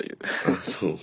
ああそう。